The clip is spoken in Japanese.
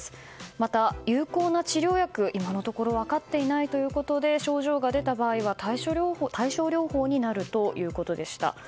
また、有効な治療薬が今のところ分かっていないということで症状が出た場合は対症療法になるということでした。